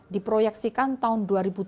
di proyeksikan tahun dua ribu tiga puluh